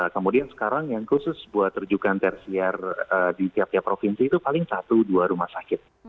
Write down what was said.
kemudian sekarang yang khusus buat rujukan tersiar di tiap tiap provinsi itu paling satu dua rumah sakit